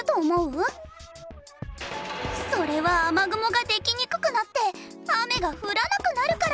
それは雨雲ができにくくなって雨が降らなくなるから！